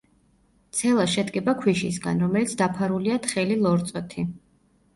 ცელა შედგება ქვიშისგან, რომელიც დაფარულია თხელი ლორწოთი.